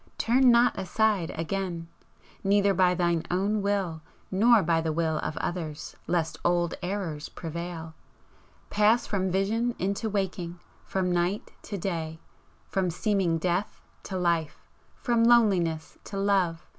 Turn not aside again, neither by thine own will nor by the will of others, lest old errors prevail! Pass from vision into waking! from night to day! from seeming death to life! from loneliness to love!